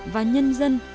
và nhân dân